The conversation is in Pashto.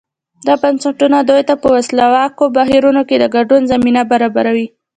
دا بنسټونه دوی ته په ولسواکو بهیرونو کې د ګډون زمینه برابروي.